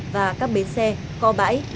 và các bến xe co bãi